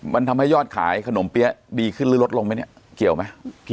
มันทำให้ยอดขายขนมเปี๊ยะดีขึ้นหรือลดลงไหมเนี่ยเกี่ยวไหม